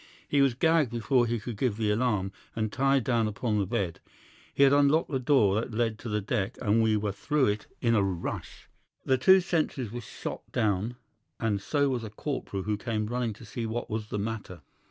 He was gagged before he could give the alarm, and tied down upon the bed. He had unlocked the door that led to the deck, and we were through it in a rush. The two sentries were shot down, and so was a corporal who came running to see what was the matter.